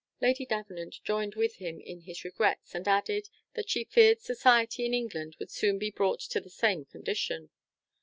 Lady Davenant joined with him in his regrets, and added, that she feared society in England would soon be brought to the same condition.